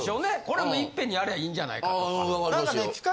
これもいっぺんにやりゃいいんじゃないかとか。